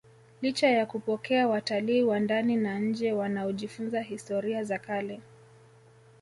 licha ya kupokea watalii wa ndani na nje wanaojifunza historia za kale